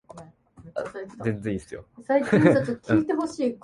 ダメでもいいからやってみる